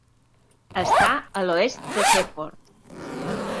Està a l'oest de Shefford.